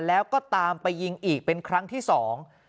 แล้วก็ตามไปยิงอีกเป็นครั้งที่สอง